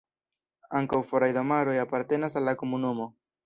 Ankaŭ foraj domaroj apartenas al la komunumo.